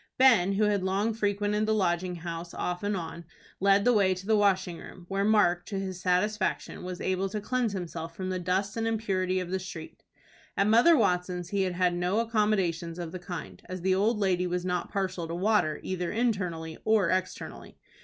Ben, who had long frequented the Lodging House off and on, led the way to the washing room, where Mark, to his satisfaction, was able to cleanse himself from the dust and impurity of the street. At Mother Watson's he had had no accommodations of the kind, as the old lady was not partial to water either internally or externally.